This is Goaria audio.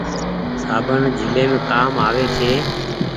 سابڻ جھليم ڪآم آوي ڇي۔